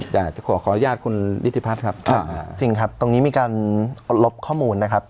อยากจะขอขออนุญาตคุณนิติพัฒน์ครับจริงครับตรงนี้มีการลบข้อมูลนะครับ